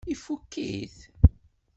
Ifukk-it?